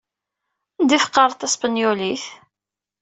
Anda ay teqqareḍ taspenyulit?